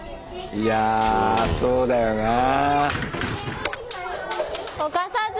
いやそうだよなあ。